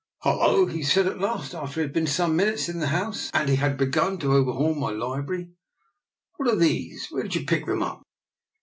" Hullo! " he said at last, after he had been some minutes in the house, and he had begun to overhaul my library, " what are these? Where did you pick them up?